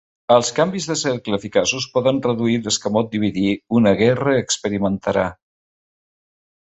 Els canvis de cercle eficaços poden reduir l'escamot dividir una gerra experimentarà.